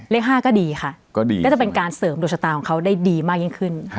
เลข๕ก็ดีค่ะก็ดีก็จะเป็นการเสริมดวงชะตาของเขาได้ดีมากยิ่งขึ้น